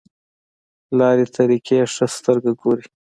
لارې طریقې ښه سترګه ګوري.